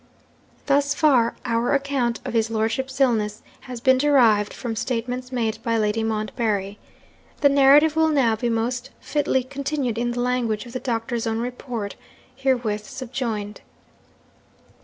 'Thus far our account of his lordship's illness has been derived from statements made by Lady Montbarry. The narrative will now be most fitly continued in the language of the doctor's own report, herewith subjoined.